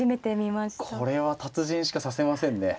これは達人しか指せませんね。